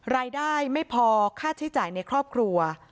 ไม่พอค่าใช้จ่ายในครอบครัว